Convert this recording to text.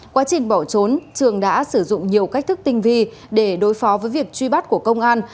quá trình bỏ trốn trường đã sử dụng nhiều cách thức tinh vi để đối phó với việc truy bắt của công an